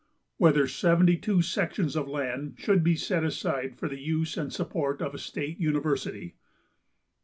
Whether seventy two sections of land should be set aside for the use and support of a state university.